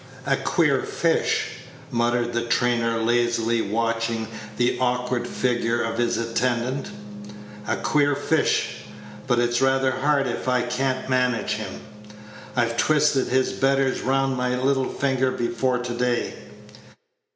"A queer fish," muttered the trainer, lazily watching the awkward figure of his attendant; "a queer fish; but it's rather hard if I can't manage him. I've twisted his betters round my little finger before to day."